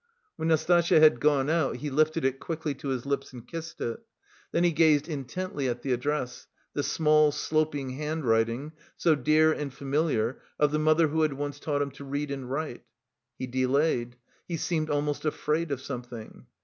When Nastasya had gone out, he lifted it quickly to his lips and kissed it; then he gazed intently at the address, the small, sloping handwriting, so dear and familiar, of the mother who had once taught him to read and write. He delayed; he seemed almost afraid of something.